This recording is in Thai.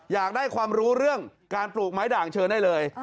อยากได้ความรู้เรื่องการปลูกไม้ด่างเชิญได้เลย